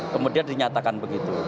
kemudian dinyatakan begitu